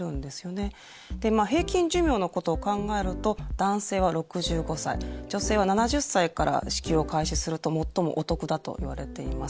でまあ平均寿命のことを考えると男性は６５歳女性は７０歳から支給を開始すると最もお得だといわれています。